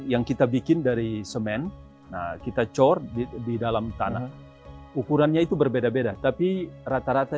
yang kita bikin dari semen nah kita cor di dalam tanah ukurannya itu berbeda beda tapi rata rata